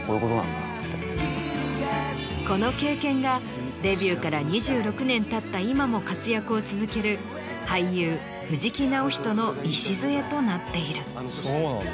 この経験がデビューから２６年たった今も活躍を続ける俳優藤木直人の礎となっている。